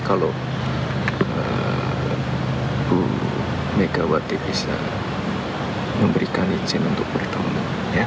kalau bu megawati bisa memberikan izin untuk bertemu